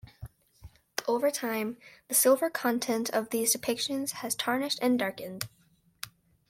Over time, the silver content of these depictions has tarnished and darkened.